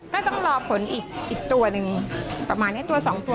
ก็ต้องรอผลอีกตัวหนึ่งประมาณนี้ตัวสองตัว